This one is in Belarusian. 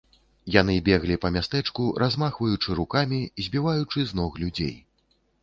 Яны беглі па мястэчку, размахваючы рукамі, збіваючы з ног людзей.